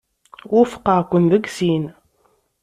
Wufqeɣ-ken deg sin.